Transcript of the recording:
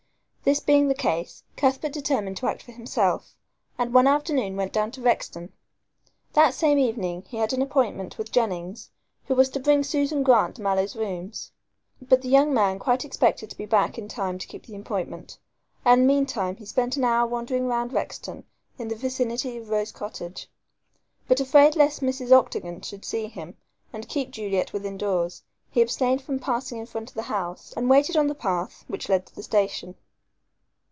This being the case, Cuthbert determined to act for himself, and one afternoon went down to Rexton. That same evening he had an appointment with Jennings, who was to bring Susan Grant to Mallow's rooms. But the young man quite expected to be back in time to keep the appointment, and meantime he spent an hour wandering round Rexton in the vicinity of Rose Cottage. But afraid lest Mrs. Octagon should see him and keep Juliet within doors, he abstained from passing in front of the house and waited on the path which led to the station.